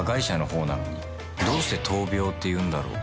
「どうして闘病っていうんだろう」